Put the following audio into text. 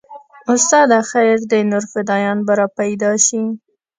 استاده خير دى نور فدايان به راپيدا سي.